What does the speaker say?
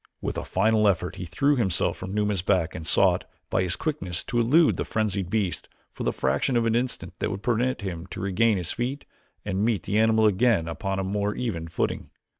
With a final effort he threw himself from Numa's back and sought, by his quickness, to elude the frenzied beast for the fraction of an instant that would permit him to regain his feet and meet the animal again upon a more even footing.